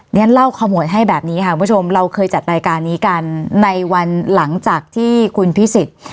เรียนเล่าขมวดให้แบบนี้ค่ะคุณผู้ชมเราเคยจัดรายการนี้กันในวันหลังจากที่คุณพิสิทธิ์